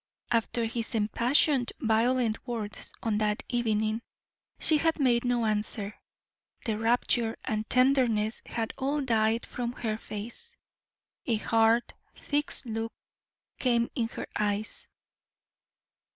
After his impassioned, violent words on that evening, she had made no answer; the rapture and tenderness had all died from her face a hard, fixed look came in her eyes.